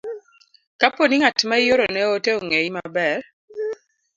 Kapo ni ng'at ma iorone ote ong'eyi maber,